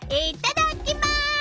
いっただっきます！